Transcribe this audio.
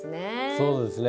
そうですね。